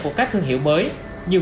một các thương hiệu mới như